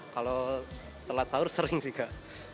kalau telat sahur sering sih kak